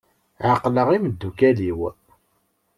Ɛeqleɣ imeddukal-iw.